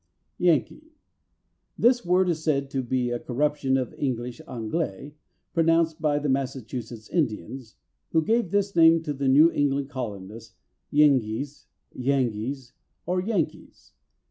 =Yankee.= This word is said to be a corruption of English or Anglais, pronounced by the Massachusetts Indians, who gave this name to the New England Colonists, Yenghies, Yanghies, Yankees.